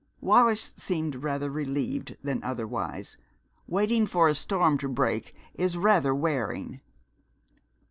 Wallis seemed rather relieved than otherwise. Waiting for a storm to break is rather wearing.